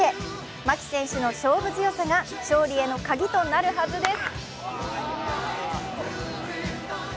牧選手の勝負強さが勝利へのカギとなるはずです。